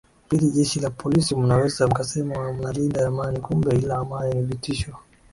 pili jeshi la polisi munaweza mukasema munalinda amani kumbe ile amani ni vitisho